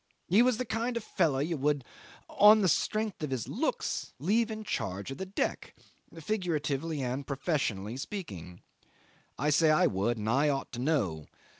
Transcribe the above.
He was the kind of fellow you would, on the strength of his looks, leave in charge of the deck figuratively and professionally speaking. I say I would, and I ought to know.